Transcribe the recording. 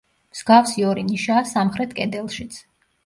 მსგავსი ორი ნიშაა სამხრეთ კედლშიც.